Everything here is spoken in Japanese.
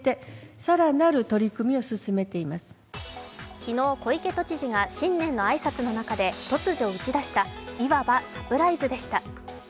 昨日、小池都知事が新年の挨拶の中で突如打ち出した、いわばサプライズでした。